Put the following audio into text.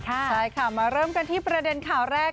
ใช่ค่ะมาเริ่มกันที่ประเด็นข่าวแรก